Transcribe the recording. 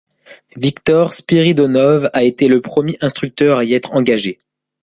Viktor Spiridonov a été le premier instructeur à y être engagé.